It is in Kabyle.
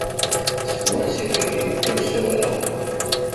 Seg wansi ay ak-d-yekka usawal-a?